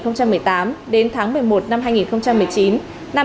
năm hai nghìn một mươi tám đến tháng một mươi một năm hai nghìn một mươi chín